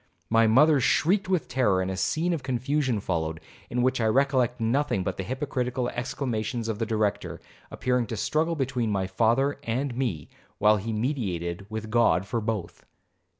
My mother shrieked with terror, and a scene of confusion followed, in which I recollect nothing but the hypocritical exclamations of the Director, appearing to struggle between my father and me, while he mediated with God for both.